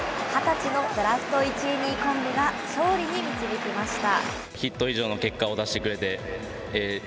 ２０歳のドラフト１位、２位コンビが、勝利に導きました。